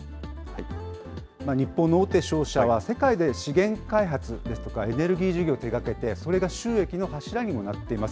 日本の大手商社は世界で資源開発ですとかエネルギー事業を手がけて、それが収益の柱にもなっています。